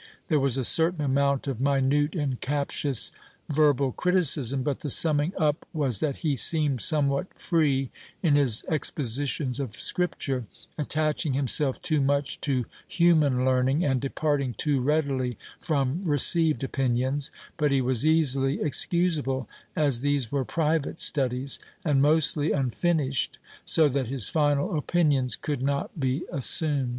There was a certain amount of minute and captious verbal criticism, but the summing up was that he seemed somewhat free in his expositions of Scripture, attaching himself too much to human learning and departing too readily from received opinions, but he was easily excusable as these were private studies and mostly unfinished, so that his final opinions could not be assumed.